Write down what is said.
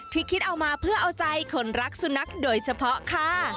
คิดเอามาเพื่อเอาใจคนรักสุนัขโดยเฉพาะค่ะ